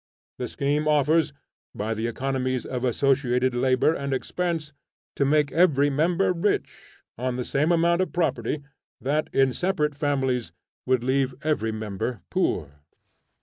The scheme offers, by the economies of associated labor and expense, to make every member rich, on the same amount of property, that, in separate families, would leave every member poor.